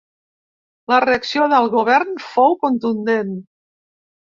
La reacció del govern fou contundent.